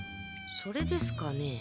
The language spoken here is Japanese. それですかね？